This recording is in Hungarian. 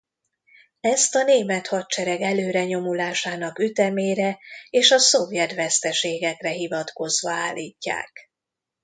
Ezt a német hadsereg előrenyomulásának ütemére és a szovjet veszteségekre hivatkozva állítják.